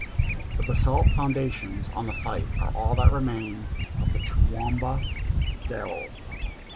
The basalt foundations on the site, are all that remain of the Toowoomba Gaol.